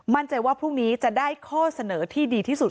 มั่นใจว่าพรุ่งนี้จะได้ข้อเสนอที่ดีที่สุด